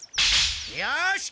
よし！